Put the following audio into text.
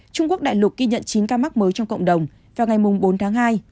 trung quốc đại lục ghi nhận chín ca mắc mới trong cộng đồng vào ngày bốn tháng hai